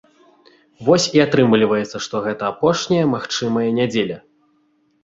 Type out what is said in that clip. Вось і атрымліваецца, што гэта апошняя магчымая нядзеля.